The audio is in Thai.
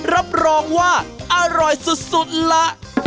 รับรองว่าอร่อยสุดละ